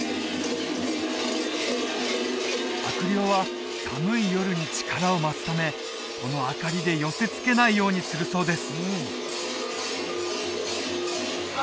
悪霊は寒い夜に力を増すためこの明かりで寄せつけないようにするそうです